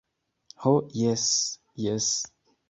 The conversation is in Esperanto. Ho jes, jes.